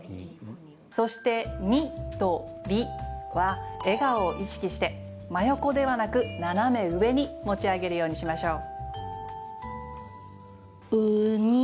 そして、「に」と「り」は笑顔を意識して、真横ではなく斜め上に持ち上げるようにしましょう。